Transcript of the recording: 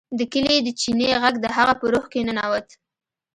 د کلي د چینې غږ د هغه په روح کې ننوت